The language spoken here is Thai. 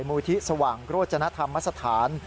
มูลทิศวั่งโรจนาธรรมวัตอสถาน